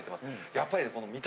やっぱり。